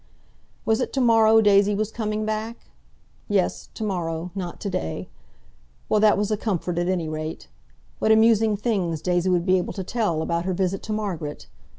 Was it to morrow Daisy was coming back? Yes—to morrow, not to day. Well, that was a comfort, at any rate. What amusing things Daisy would be able to tell about her visit to Margaret!